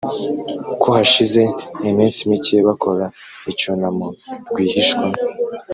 ko hashize iminsi mike bakora icyunamo rwihishwa